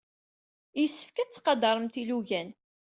Yessefk ad tettqadaremt ilugan.